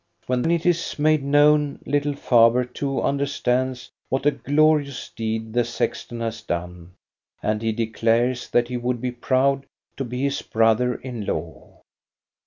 When it is made known, little Faber too under stands what a glorious deed the sexton has done, and he declares that he would be proud to be his brother in law.